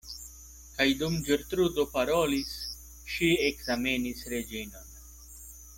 Kaj dum Ĝertrudo parolis, ŝi ekzamenis Reĝinon.